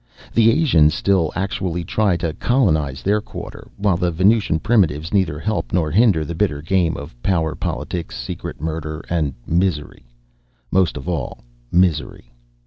The Asians still actually try to colonize their quarter, while the Venusian primitives neither help nor hinder the bitter game of power politics, secret murder, and misery most of all, misery.